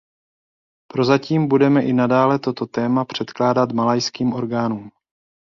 Prozatím budeme i nadále toto téma předkládat malajským orgánům.